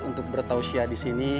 untuk bertausiah disini